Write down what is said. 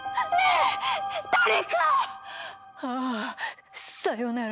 あぁさよなら。